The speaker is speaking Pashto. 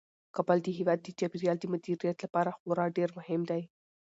کابل د هیواد د چاپیریال د مدیریت لپاره خورا ډیر مهم دی.